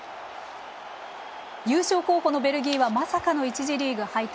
優勝候補のベルギーはまさかの１次リーグ敗退。